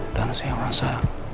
dan saya merasa